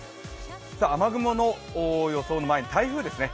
雨雲の予想の前に台風ですね。